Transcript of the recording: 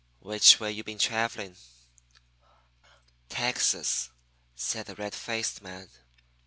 "Which way you been travelling?" "Texas," said the red faced man.